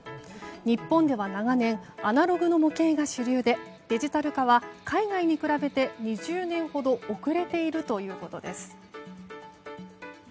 日本では長年アナログの模型が主流でデジタル化は海外に比べて２０年ほど遅れているということです。